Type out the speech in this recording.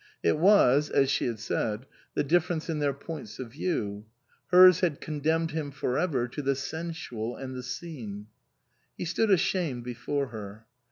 It was, as she had said, the difference in their points of view ; hers had condemned him for ever to the sensual and the seen. He stood ashamed before her.